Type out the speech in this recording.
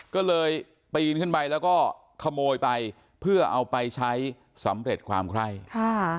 ก็เลยปีนขึ้นไปแล้วก็ขโมยไปเพื่อเอาไปใช้สำเร็จความไคร่ค่ะ